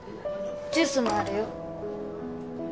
ジュースもあるよ。